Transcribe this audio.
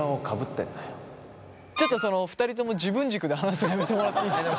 ちょっとその２人とも自分軸で話すのやめてもらっていいですか？